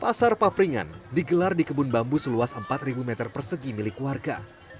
pasar papringan digelar di kebun bambu seluas empat meter persegi milik warga